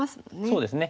そうですね。